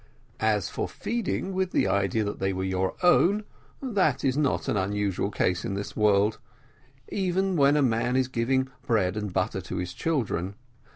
As for feeding with the idea that they were your own, that is not an unusual case in this world, even when a man is giving bread and butter to his children.